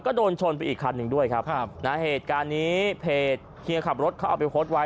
ก็โดนชนไปอีกคันหนึ่งด้วยครับครับนะเหตุการณ์นี้เพจเฮียขับรถเขาเอาไปโพสต์ไว้